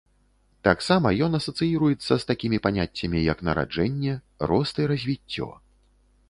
Таксама ён асацыіруецца з такімі паняццямі, як нараджэнне, рост і развіццё.